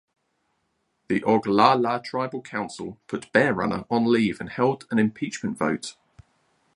The Oglala tribal council put Bear Runner on leave and held an impeachment vote.